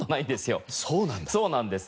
そうなんです。